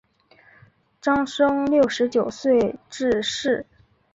张升六十九岁致仕。